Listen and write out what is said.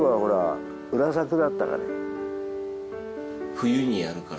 冬にやるから？